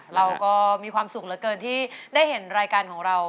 เราก็มีความสุขเหลือเกินที่ได้เห็นรายการของเรา